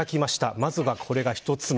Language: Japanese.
まずは、これが１つ目。